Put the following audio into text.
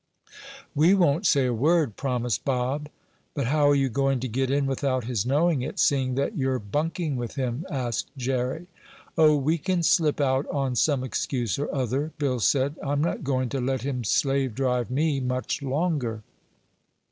"We won't say a word," promised Bob. "But how are you going to get in without his knowing it, seeing that you're bunking with him?" asked Jerry. "Oh, we can slip out on some excuse or other," Bill said. "I'm not going to let him slave drive me much longer."